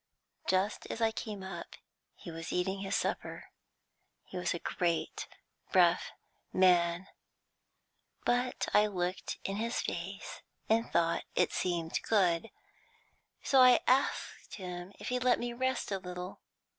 Just as I came up he was eating his supper. He was a great, rough man, but I looked in his face and thought it seemed good, so I asked him if he'd let me rest a little.